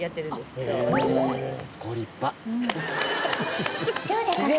ご立派。